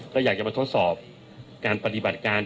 ก็อยากจะมาทดสอบการปฏิบัติการ